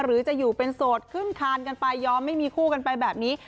หรือจะอยู่เป็นโสดขึ้นคานกันไปยอมไม่มีคู่กันไปแบบนี้